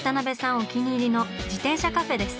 お気に入りの自転車カフェです。